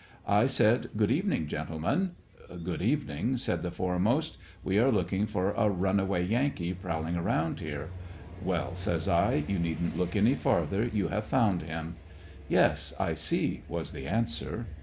I said: ''good evening, gen tlemen." Good evening," said the foremost, we are looking for a runaway yankee prowling around here." Well," says I, you needn't look any farther, you have found him." *'Yes, I see," was the answer.